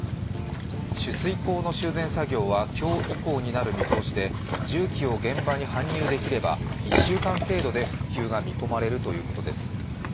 取水口の修繕作業は今日以降になる見通しで重機を現場に搬入できれば、１週間程度で復旧が見込まれるということです。